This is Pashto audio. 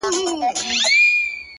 څښل مو تويول مو شرابونه د جلال ـ